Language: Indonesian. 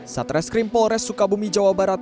satres krim polres sukabumi jawa barat